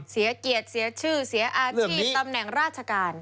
เสียเกียรติเสียชื่อเสียอาชีพตำแหน่งราชการ